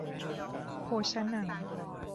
โภชะนัง